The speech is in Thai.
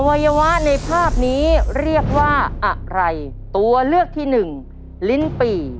วัยวะในภาพนี้เรียกว่าอะไรตัวเลือกที่หนึ่งลิ้นปี่